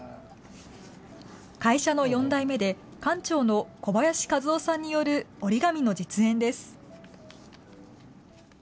会社の４代目で館長の小林一夫さんによる折り紙の実演です。